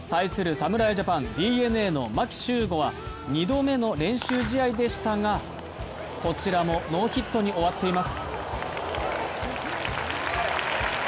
侍ジャパン、ＤｅＮＡの牧秀悟は２度目の練習試合でしたがこちらもノーヒットに終わっています。